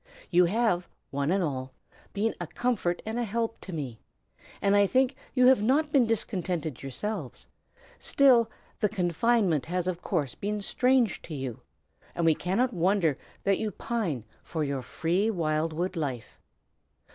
You have, one and all, been a comfort and a help to me, and I think you have not been discontented yourselves; still, the confinement has of course been strange to you, and we cannot wonder that you pine for your free, wildwood life.